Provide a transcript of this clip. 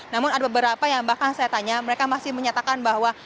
namun ada beberapa yang bahkan saya tanya mereka masih menyatakan bahwa